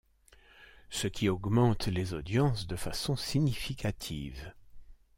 Ce qui augmente les audiences de façon significative.